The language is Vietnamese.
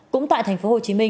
cũng tại tp hcm